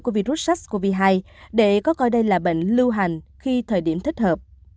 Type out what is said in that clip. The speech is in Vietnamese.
của virus sars cov hai để có coi đây là bệnh lưu hành khi thời điểm thích hợp